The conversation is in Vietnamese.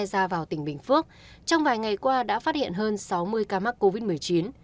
ra vào tỉnh bình phước trong vài ngày qua đã phát hiện hơn sáu mươi ca mắc covid một mươi chín